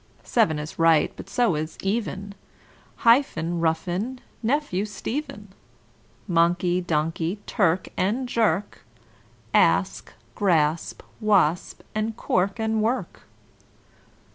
Seven is right, but so is even; Hyphen, roughen, nephew, Stephen; Monkey, donkey; clerk and jerk; Asp, grasp, wasp; and cork and work.